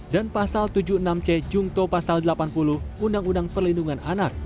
dan pasal tujuh puluh enam c jungto pasal delapan puluh undang undang perlindungan anak